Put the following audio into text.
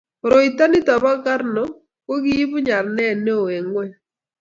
koroito nito bo korno ko kiibu nyeranet neoo eng' ng'ony